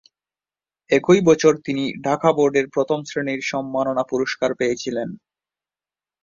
একই বছর তিনি ঢাকা শিক্ষা বোর্ডের প্রথম শ্রেণীর সম্মাননা পুরস্কার পেয়েছিলেন।